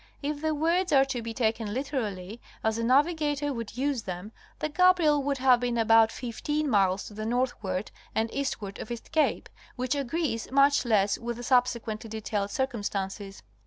If the words are to be taken literally, as a navigator would use them, the Gabriel would have been about fifteen miles to the northward and eastward of East Cape, which agrees much less with the subsequently detailed circumstances.